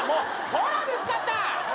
ほらぶつかった！